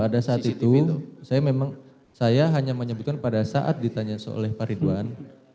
pada saat itu saya memang saya hanya menyebutkan pada saat ditanya soal pak ridwan